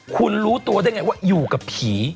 คุณรู้ตัวได้ไงว่าอยู่กับผี